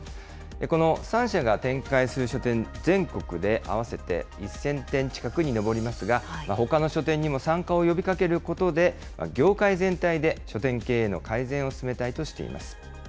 この３社が展開する書店、全国で合わせて１０００店近くに上りますが、ほかの書店にも参加を呼びかけることで、業界全体で書店経営の改善を進めたいとしています。